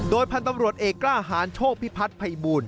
โดยพันธุ์ตำรวจเอกล้าอาหารโชคพิพัฒน์ไพบูล